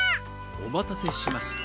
おまたせしました。